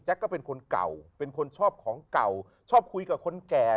ก็เป็นคนเก่าเป็นคนชอบของเก่าชอบคุยกับคนแก่